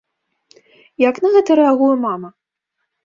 Як на гэта рэагуе мама?